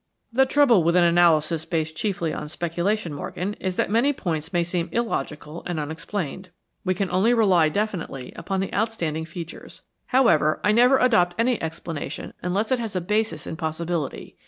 "The trouble with an analysis based chiefly on speculation, Morgan, is that many points may seem illogical and unexplained. We can only rely definitely upon the outstanding features. However, I never adopt any explanation unless it has a basis in possibility.